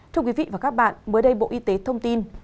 thưa quý vị và các bạn mới đây bộ y tế thông tin